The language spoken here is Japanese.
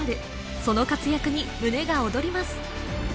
その活躍に胸が躍ります